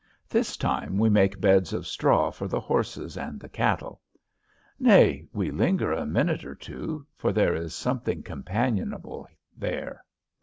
This time we make beds of straw for the horses and the cattle. Nay, we linger a minute or two, for there is something companionable there.